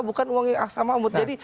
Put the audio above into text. bukan uangnya aksa mahmud jadi